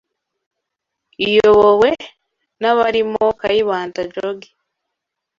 iyobowe n’abarimo Kayibanda jogi